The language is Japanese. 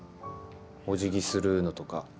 おじぎするのとか。